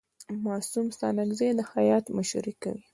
معصوم ستانکزی د هیات مشري کوي.